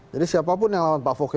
jadi siapapun yang lawan pak fokke